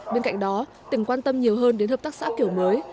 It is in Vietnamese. bên cạnh đó tỉnh quan tâm nhiều hơn đến hợp tác xã kiểu mới